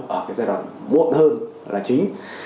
và cái giai đoạn muộn hơn là chính